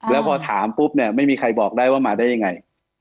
แล้วพอถามปุ๊บเนี่ยไม่มีใครบอกได้ว่ามาได้ยังไง